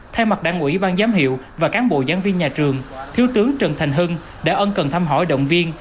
thay mặt đảng ủy ban giám hiệu và cán bộ giảng viên nhà trường thiếu tướng trần thành hưng đã ân cần thăm hỏi động viên